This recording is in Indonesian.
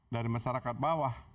dari masyarakat bawah